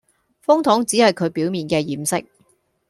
風筒只係佢表面嘅掩飾